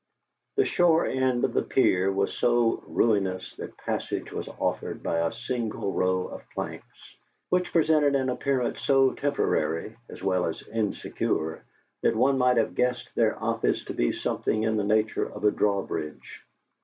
The shore end of the pier was so ruinous that passage was offered by a single row of planks, which presented an appearance so temporary, as well as insecure, that one might have guessed their office to be something in the nature of a drawbridge.